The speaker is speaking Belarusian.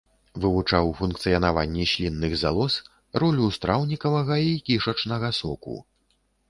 Вывучыў функцыянаванне слінных залоз, ролю страўнікавага і кішачнага соку.